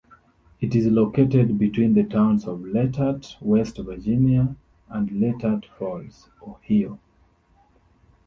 It is located between the towns of Letart, West Virginia and Letart Falls, Ohio.